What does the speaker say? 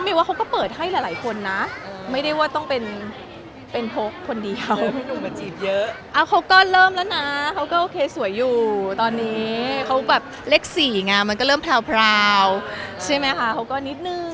มันก็เริ่มพราวใช่ไหมคะเขาก็นิดนึงอะไรอย่างนี้